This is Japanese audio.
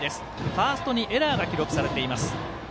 ファーストにエラーが記録されています。